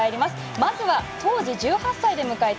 まずは当時１８歳で迎えた